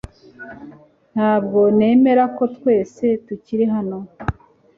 Ntabwo nemera ko twese tukiri hano